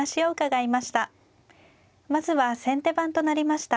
まずは先手番となりました